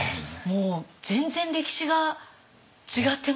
もう全然歴史が違ってましたよね。